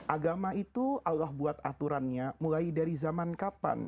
agama itu allah buat aturannya mulai dari zaman kapan